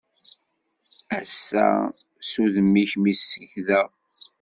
Ass-a s udem-ik mi sekdeɣ.